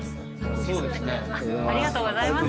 ありがとうございます。